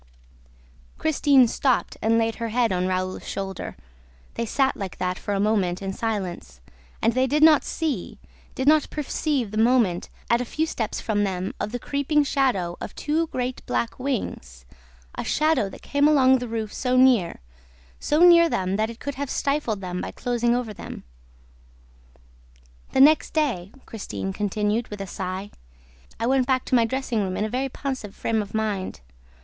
Christine stopped and laid her head on Raoul's shoulder. They sat like that for a moment, in silence, and they did not see, did not perceive the movement, at a few steps from them, of the creeping shadow of two great black wings, a shadow that came along the roof so near, so near them that it could have stifled them by closing over them. "The next day," Christine continued, with a sigh, "I went back to my dressing room in a very pensive frame of mind.